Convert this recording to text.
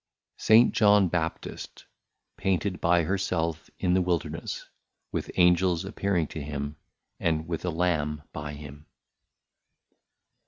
St. John Baptist Painted by her self in the Wilderness, with Angels appearing to him, and with a Lamb by him.